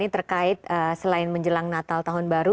ini terkait selain menjelang natal tahun baru